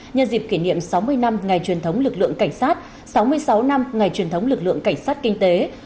nhân dịp kỷ niệm sáu mươi năm ngày truyền thống lực lượng cảnh sát sáu mươi sáu năm ngày truyền thống lực lượng cảnh sát kinh tế